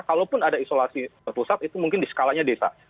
kalaupun ada isolasi terpusat itu mungkin di skalanya desa